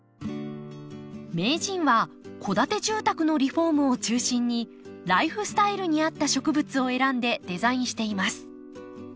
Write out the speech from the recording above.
名人は戸建て住宅のリフォームを中心にライフスタイルに合った植物を選んでデザインしています。